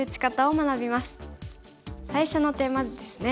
最初のテーマ図ですね。